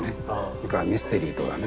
それからミステリーとかね